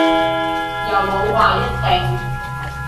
又冇話一定